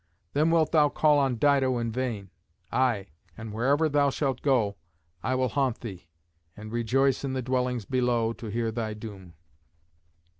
Then wilt thou call on Dido in vain. Aye, and wherever thou shalt go I will haunt thee, and rejoice in the dwellings below to hear thy doom."